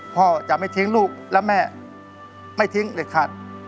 พ่อจะไม่ทิ้งลูกและแม่ไม่ทิ้งเลยค่ะ